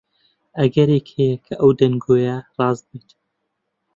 ئەگەرێک هەیە کە ئەو دەنگۆیە ڕاست بێت.